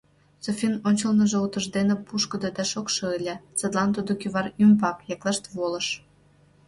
Софин ончылныжо утыждене пушкыдо да шокшо ыле, садлан тудо кӱвар ӱмбак яклешт волыш.